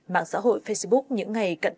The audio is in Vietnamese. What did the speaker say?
mạng xã hội facebook những ngày cận trọng